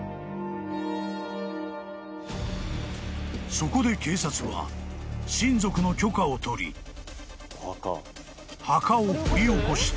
［そこで警察は親族の許可を取り墓を掘り起こした］